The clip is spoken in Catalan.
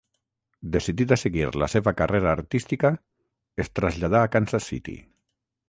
Decidit a seguir la seva carrera artística, es traslladà a Kansas City.